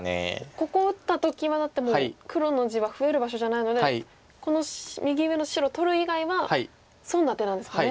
ここを打った時はだってもう黒の地は増える場所じゃないのでこの右上の白を取る以外は損な手なんですもんね。